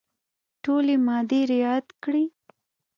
ټولي مادې رعیات کړي.